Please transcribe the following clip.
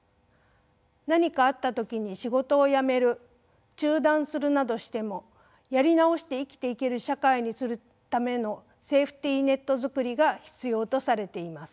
何かあった時に仕事を辞める中断するなどしてもやり直して生きていける社会にするためのセーフティーネット作りが必要とされています。